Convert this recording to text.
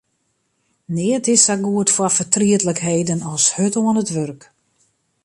Neat is sa goed foar fertrietlikheden as hurd oan it wurk.